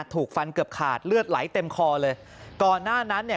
ถูกฟันเกือบขาดเลือดไหลเต็มคอเลยก่อนหน้านั้นเนี่ย